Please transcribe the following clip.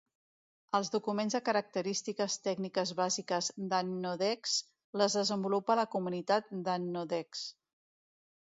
Els documents de característiques tècniques bàsiques d'Annodex les desenvolupa la comunitat d'Annodex.